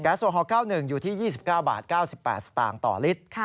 แก๊สโซฮอล์๙๑อยู่ที่๒๙๙๘สตต่อลิตร